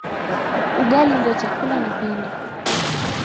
Ugali ndio chakula napenda